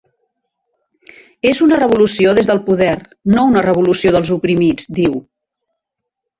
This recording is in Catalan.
És una revolució des del poder, no una revolució dels oprimits, diu.